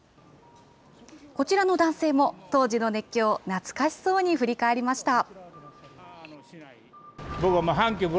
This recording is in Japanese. こちらの男性も、当時の熱狂を懐かしそうに振り返りました。